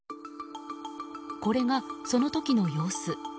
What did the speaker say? これが、その時の様子。